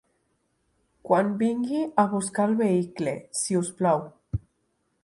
Quan vingui a buscar el vehicle, si us plau.